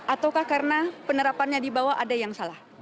ataukah karena penerapannya di bawah ada yang salah